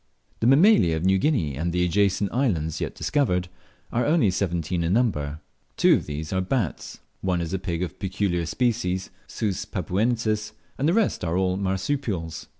The Mammalia of New Guinea and the adjacent islands, yet discovered, are only seventeen in number. Two of these are bats, one is a pig of a peculiar species (Sus papuensis), and the rest are all marsupials.